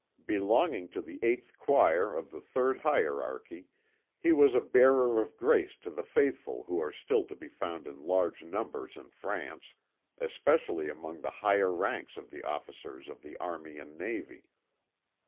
Belonging to the eighth choir of the third hierarchy he was a bearer of grace to the faithful who are still to be found in large numbers in France, especially among the higher ranks of the officers of the army and navy.